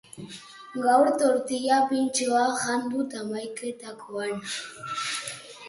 gaur tortilla pintxoa jan dut hamaiketakoan